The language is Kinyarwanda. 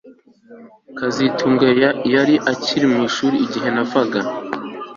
kazitunga yari akiri mu ishuri igihe navaga